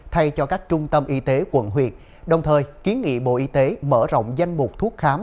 thay cho các trung tâm y tế quận huyện đồng thời kiến nghị bộ y tế mở rộng danh mục thuốc khám